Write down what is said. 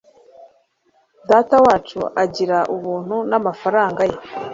datawacu agira ubuntu n'amafaranga ye